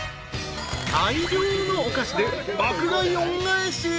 ［大量のお菓子で爆買い恩返し］